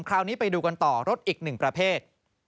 คราวนี้ไปดูกันต่อรถอีกหนึ่งประเภท